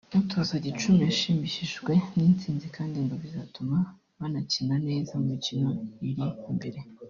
utoza Gicumbi yashimishijwe n’intsinzi kandi ngo bizatuma banakina neza mu mikino iri imbere